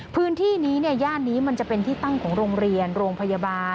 พื้นที่นี้ย่านนี้มันจะเป็นที่ตั้งของโรงเรียนโรงพยาบาล